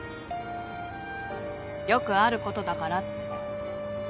「よくあることだから」って。